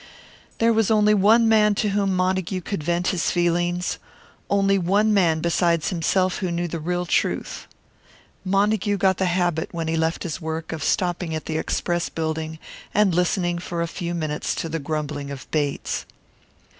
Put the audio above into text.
There was only one man to whom Montague could vent his feelings; only one man besides himself who knew the real truth. Montague got the habit, when he left his work, of stopping at the Express building, and listening for a few minutes to the grumbling of Bates.